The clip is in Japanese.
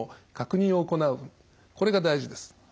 これが大事です。